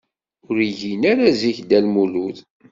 Ur igin ara zik Dda Lmulud.